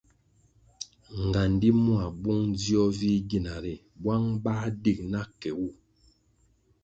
Ngandi mua bung dzio vih gina ri bwang bah dig na ke wu.